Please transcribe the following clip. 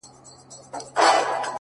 • زه څوک لرمه؛